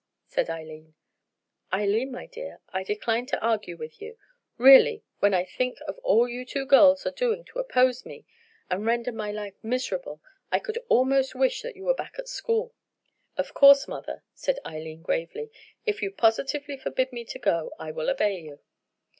said Eileen. "Eileen, my dear, I decline to argue with you. Really, when I think of all that you two girls are doing to oppose me, and render my life miserable, I could almost wish that you were back at school." "Of course, mother," said Eileen gravely, "if you positively forbid me to go I will obey you."